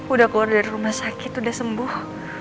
udah keluar dari rumah sakit udah sembuh